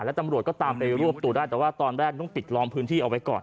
แล้วตำรวจก็ตามไปรวบตัวได้แต่ว่าตอนแรกต้องปิดล้อมพื้นที่เอาไว้ก่อน